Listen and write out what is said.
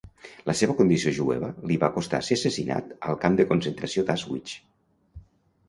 La seva condició jueva li va costar ser assassinat al camp de concentració d'Auschwitz.